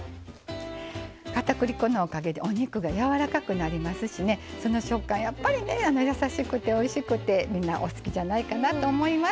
片栗粉のおかげでお肉が柔らかくなりますしねその食感やっぱりねやさしくておいしくてみんなお好きじゃないかなと思います。